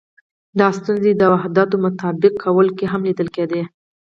دا ستونزې د واحداتو مطابق کولو کې هم لیدل کېدې.